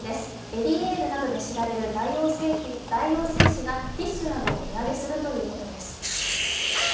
エリエールなどで知られる大王製紙がティッシュなどを値上げするということです。